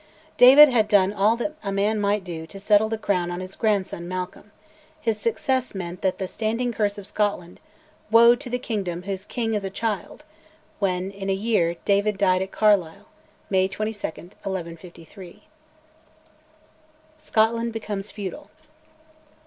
David had done all that man might do to settle the crown on his grandson Malcolm; his success meant that standing curse of Scotland, "Woe to the kingdom whose king is a child," when, in a year, David died at Carlisle (May 24, 1153). SCOTLAND BECOMES FEUDAL.